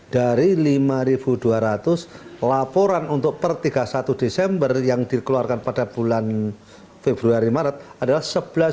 dari lima dua ratus laporan untuk per tiga puluh satu desember yang dikeluarkan pada bulan februari maret adalah sebelas empat ratus tujuh puluh lima